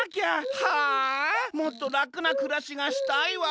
あもっとらくなくらしがしたいわ。